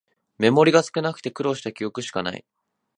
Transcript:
メモリが少なくて苦労した記憶しかない